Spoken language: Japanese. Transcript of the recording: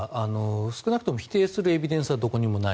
少なくとも否定するエビデンスはどこにもない。